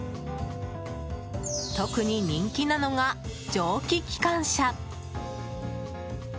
特に人気なのが蒸気機関車。